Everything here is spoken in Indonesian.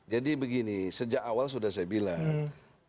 jadi begini sejak awal sudah saya bilang